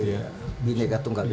ini negatif sekali